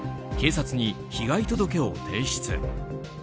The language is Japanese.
警察に被害届を提出。